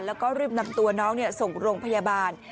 แล้วก็รีบนำตัวน้องส่งโรงพยาบาล